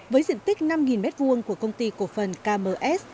với diện tích năm m hai của công ty cổ phần km